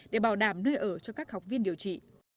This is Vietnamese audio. để bảo đảm nơi ở cho các học viên điều trị